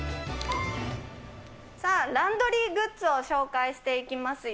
さあ、ランドリーグッズを紹介していきますよ。